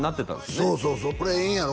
そうそうそうこれええやろ？